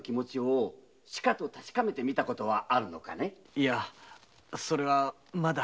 いやそれはまだ。